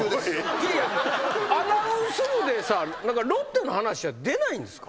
アナウンス部でさロッテの話は出ないんですか？